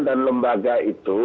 dan lembaga itu